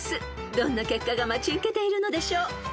［どんな結果が待ち受けているのでしょう］